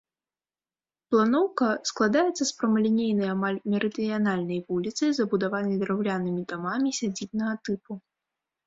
Планоўка складаецца з прамалінейнай амаль мерыдыянальнай вуліцы, забудаванай драўлянымі дамамі сядзібнага тыпу.